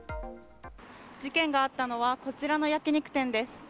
事件があったのはこちらの焼き肉店です。